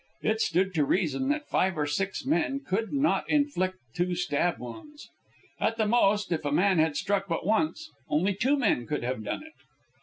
It stood to reason that five or six men could not inflict two stab wounds. At the most, if a man had struck but once, only two men could have done it.